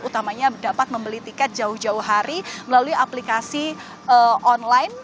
utamanya dapat membeli tiket jauh jauh hari melalui aplikasi online